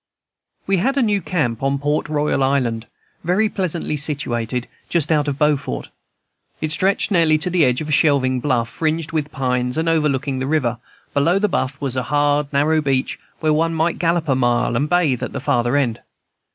We had a new camp on Port Royal Island, very pleasantly situated, just out of Beaufort. It stretched nearly to the edge of a shelving bluff, fringed with pines and overlooking the river; below the bluff was a hard, narrow beach, where one might gallop a mile and bathe at the farther end.